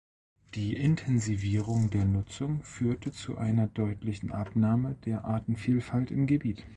Die Intensivierung der Nutzung führte zu einer deutlichen Abnahme der Artenvielfalt im Gebiet.